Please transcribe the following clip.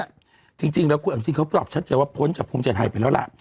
คุณอาจารย์อับแต่ว่ามีพ้นทางว่าพูมใจไทยไปละ